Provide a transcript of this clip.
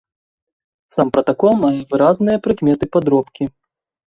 Сам пратакол мае выразныя прыкметы падробкі.